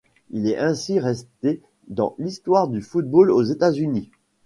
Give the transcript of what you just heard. Il est ainsi resté dans l'histoire du football aux États-Unis.